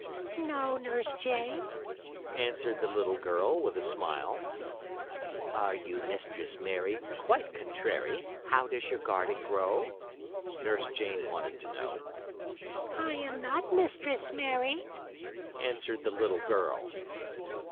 "No, Nurse Jane," answered the little girl, with a smile. "Are you Mistress Mary, quite contrary, how does your garden grow?" Nurse Jane wanted to know. "I am not Mistress Mary," answered the little girl.